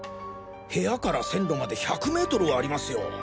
部屋から線路まで１００ｍはありますよ！